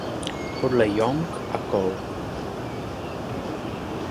Podle Young a kol.